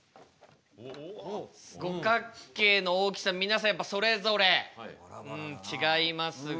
五角形の大きさ皆さんやっぱそれぞれ違いますが。